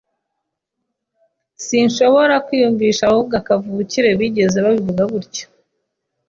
Sinshobora kwiyumvisha abavuga kavukire bigeze babivuga gutya.